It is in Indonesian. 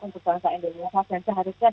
untuk bangsa indonesia dan seharusnya